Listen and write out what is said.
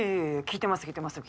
聞いてます。